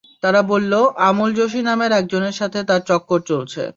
তারা বললো আমল যোশি নামের একজনের সাথে তার চক্কর চলছে।